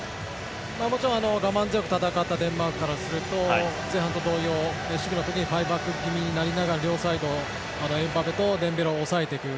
もちろん我慢強く戦ったデンマークからすると前半同様、守備の時にはファイブバック気味になりながら両サイド、エムバペとデンベレを抑えていく。